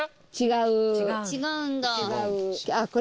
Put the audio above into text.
違うんだ。